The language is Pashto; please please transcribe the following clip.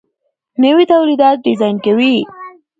نوي تولیدات ډیزاین کوي.